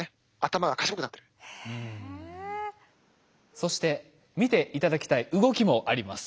そして見て頂きたい動きもあります。